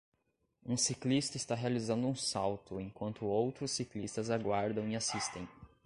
Um ciclista está realizando um salto enquanto outros ciclistas aguardam e assistem.